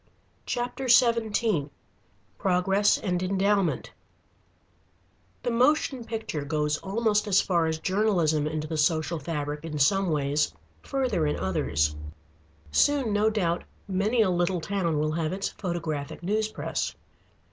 CHAPTER XVII PROGRESS AND ENDOWMENT The moving picture goes almost as far as journalism into the social fabric in some ways, further in others. Soon, no doubt, many a little town will have its photographic news press.